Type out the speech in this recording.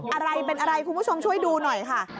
อะไรเป็นอะไรคุณผู้ชมช่วยดูหน่อยค่ะ